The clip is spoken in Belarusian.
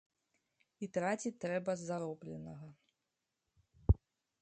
І траціць трэба з заробленага.